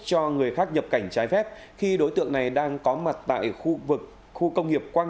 cho người khác nhập cảnh trái phép khi đối tượng này đang có mặt tại khu vực khu công nghiệp quang